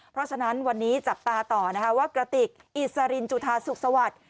เพราะฉะนั้นวันนี้จับตาต่อนะคะว่ากระติกอิสรินจุธาสุขสวัสดิ์